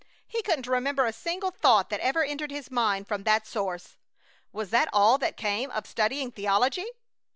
He couldn't remember a single thought that ever entered his mind from that source. Was that all that came of studying theology?